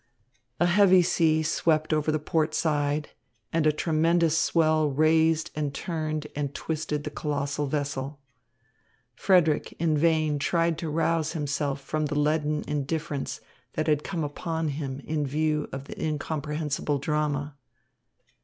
A heavy sea swept over the port side, and a tremendous swell raised and turned and twisted the colossal vessel. Frederick in vain tried to rouse himself from the leaden indifference that had come upon him in view of the incomprehensible drama.